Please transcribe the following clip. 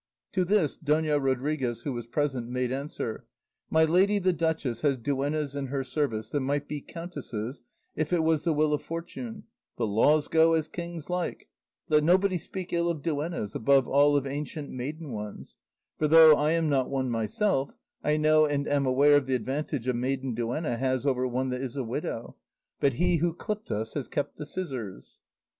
To this Dona Rodriguez, who was present, made answer, "My lady the duchess has duennas in her service that might be countesses if it was the will of fortune; 'but laws go as kings like;' let nobody speak ill of duennas, above all of ancient maiden ones; for though I am not one myself, I know and am aware of the advantage a maiden duenna has over one that is a widow; but 'he who clipped us has kept the scissors.